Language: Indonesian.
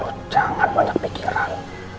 lo jangan banyak pikiran